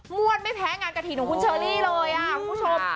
ว่วนไม่แพ้งานกระถิ่นของคุณเชอรี่เลยคุณผู้ชม